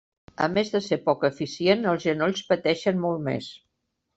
A més de ser poc eficient els genolls pateixen molt més.